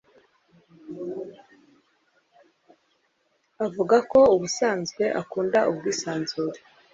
Avuga ko ubusanzwe akunda ubwisanzure